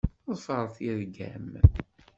Ḍfeṛ tirga-m.